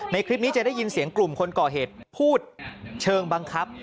คลิปนี้จะได้ยินเสียงกลุ่มคนก่อเหตุพูดเชิงบังคับ